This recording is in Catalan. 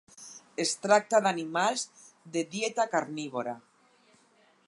Es tracta d'animals de dieta carnívora.